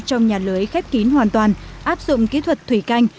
trong nhà lưới khép kín hoàn toàn áp dụng kỹ thuật thủy canh